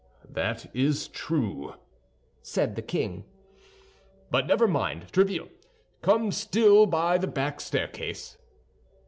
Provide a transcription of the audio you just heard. "That is true," said the king; "but never mind, Tréville, come still by the back staircase."